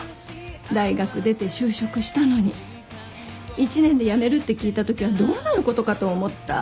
大学出て就職したのに１年で辞めるって聞いたときはどうなることかと思った。